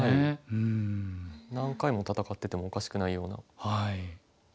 何回も戦っててもおかしくないような。